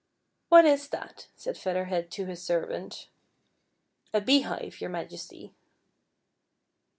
"What is that ?" said Featlier Head to his servant. " A beehive, your Majesty."